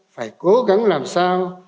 phải cố gắng làm sao